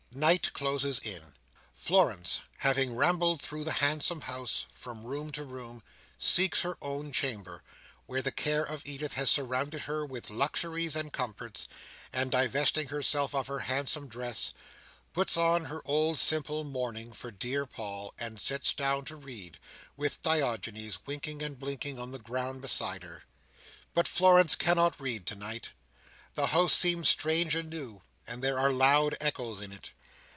Night closes in. Florence, having rambled through the handsome house, from room to room, seeks her own chamber, where the care of Edith has surrounded her with luxuries and comforts; and divesting herself of her handsome dress, puts on her old simple mourning for dear Paul, and sits down to read, with Diogenes winking and blinking on the ground beside her. But Florence cannot read tonight. The house seems strange and new, and there are loud echoes in it.